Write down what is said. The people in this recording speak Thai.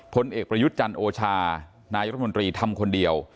ผลเอกประยุทธ์จันทร์โอชานายรัฐมนตรีทำคนเดียว